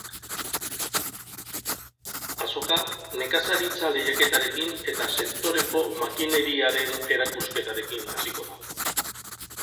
Azoka nekazaritza lehiaketarekin eta sektoreko makineriaren erakusketarekin hasiko da.